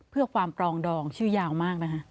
เพื่อความปรองดองชื่อยาวมากนะคะ